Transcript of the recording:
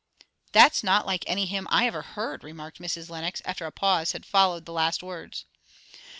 '" "That's not like any hymn I ever heard," remarked Mrs. Lenox, after a pause had followed the last words.